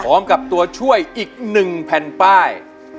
พร้อมกับตัวช่วยอีก๑แผ่นป้าย